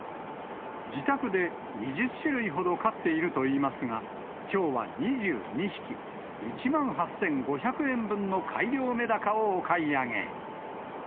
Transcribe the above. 自宅で２０種類ほど飼っているといいますが、きょうは２２匹、１万８５００円分の改良メダカをお買い上げ。